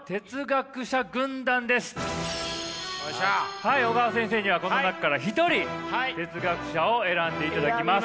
はい小川先生にはこの中から一人哲学者を選んでいただきます。